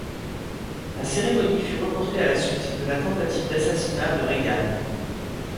La cérémonie fut reportée à la suite de la tentative d'assassinat de Reagan.